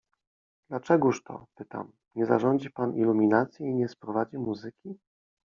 „Dlaczegóż to — pytam — nie zarządzi pan iluminacji i nie sprowadzi muzyki?”.